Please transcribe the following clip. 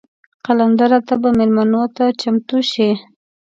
قلندره ته به میلمنو ته چمتو شې.